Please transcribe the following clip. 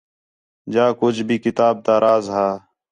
جا کُج بھی کتاب تا راز ہا